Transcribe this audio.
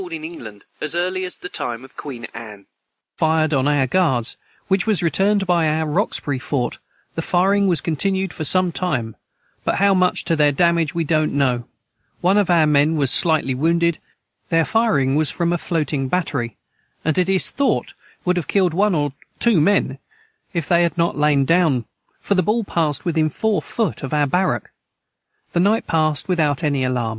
15. Two Oclock this Afternoon when the Lobsters fired on our guards which was returned by our Roxbury fort the fireing was continued for some time but how much to their Damag we dont know one of our men was slitely wounded their fireing was from a floating Batery and it is thought would have killed one or too men if they had not have Lain down for the Ball passed within about 4 foot of our Barack the night passed without any alarm.